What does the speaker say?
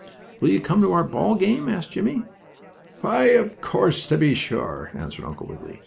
"Will you come to our ball game?" asked Jimmie. "Why, of course, to be sure," answered Uncle Wiggily.